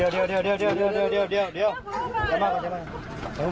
เดี๋ยวเดี๋ยว